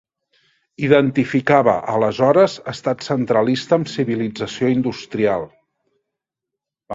Identificava, aleshores, estat centralista amb civilització industrial.